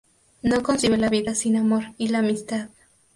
No concibe la vida sin amor y la amistad.